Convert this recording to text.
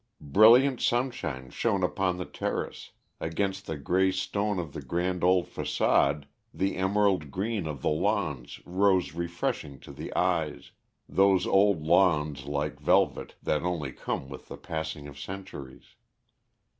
Brilliant sunshine shone upon the terrace; against the grey stone of the grand old façade, the emerald green of the lawns rose refreshing to the eyes, those old lawns like velvet that only come with the passing of centuries.